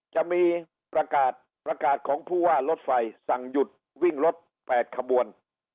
จะมีประกาศประกาศของผู้ว่ารถไฟสั่งหยุดวิ่งรถ๘ขบวน